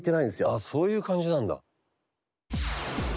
あっそういう感じなんだ。